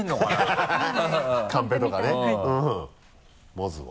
まずは？